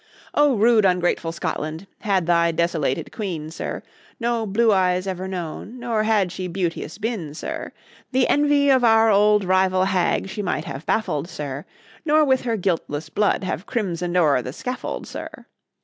rude ungrateful Scotland! had thy desolated Queen, sir, No blue eyes ever known, nor had she beauteous been, sir, The envy of our old rival hag she might have baffled, sir, Nor with her guiltless blood have crimson'd o'er the scaffold, sir.